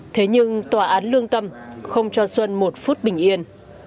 thế nhưng tòa án lương tâm không cho xuân một phút bình yên